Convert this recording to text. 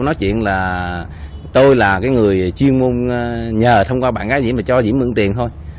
nói chuyện là tôi là người chuyên môn nhờ thông qua bạn gái diễm và cho diễm mượn tiền thôi